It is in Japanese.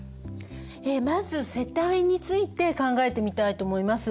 まず世帯について考えてみたいと思います。